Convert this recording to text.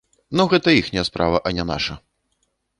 Ну гэта іхняя справа, а не наша!